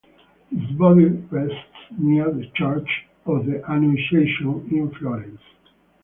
His body rests near the church of the Annunciation, in Florence.